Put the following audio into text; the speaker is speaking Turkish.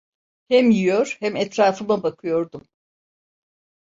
Hem yiyor, hem etrafıma bakıyordum.